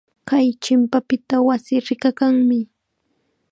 Kay chimpapita wasii rikakanmi.